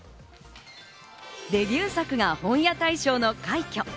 デビュー作が本屋大賞の快挙。